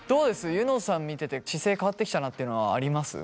ユノさん見てて姿勢変わってきたなっていうのはあります？